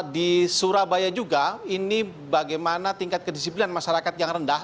di surabaya juga ini bagaimana tingkat kedisiplinan masyarakat yang rendah